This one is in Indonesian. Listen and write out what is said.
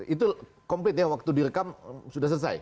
itu komplit ya waktu direkam sudah selesai